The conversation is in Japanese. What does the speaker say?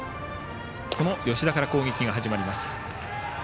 その吉田から攻撃が始まります。